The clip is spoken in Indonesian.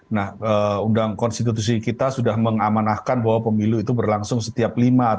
nah undang konstitusi kita sudah mengamanahkan bahwa pemilu itu berlangsung setiap lima tahun